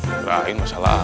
ustaz janurul masalah apa